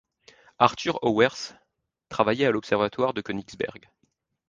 Arthur Auwers travaillait à l’observatoire de Kœnigsberg.